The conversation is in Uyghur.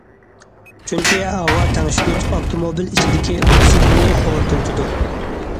چۈنكى ھاۋا تەڭشىگۈچ ئاپتوموبىل ئىچىدىكى ئوكسىگېننى خورىتىۋېتىدۇ.